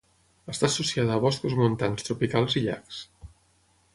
Està associada a boscos montans tropicals i llacs.